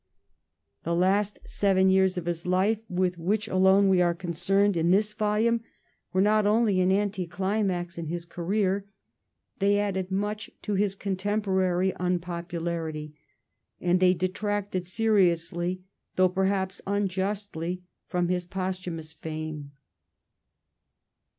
The last seven years of his life, with which alone we are concerned in this volume, were not only an anti climax in his career ; they added much to his contemporary unpopularity, and they detracted seriously though perhaps unjustly from his posthumous fame.